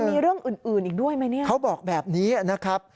มีเรื่องอื่นอื่นอีกด้วยไหมเนี่ยเขาบอกแบบนี้นะครับ